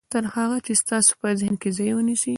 تر هغه چې ستاسې په ذهن کې ځای ونيسي.